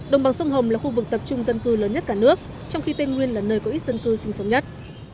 đồng bằng sông hồng là khu vực tập trung dân cư lớn nhất cả nước trong khi tây nguyên là nơi có ít dân cư sinh sống nhất